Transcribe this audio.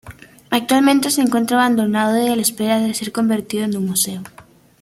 Actualmente se encuentra abandonado y a la espera de ser convertido en un museo.